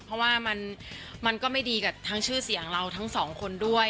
เพราะว่ามันก็ไม่ดีกับทั้งชื่อเสียงเราทั้งสองคนด้วย